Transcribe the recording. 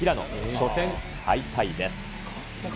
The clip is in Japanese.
初戦敗退です。